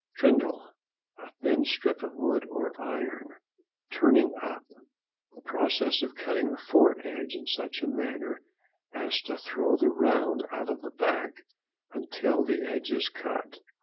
TRINDLE.—A thin strip of wood or iron. TURNING UP.—The process of cutting the foredge in such a manner as to throw the round out of the back until the edge is cut.